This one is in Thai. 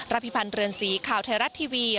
รัภิปันธ์เรือนสีข่าวไทยรัตน์ทีวี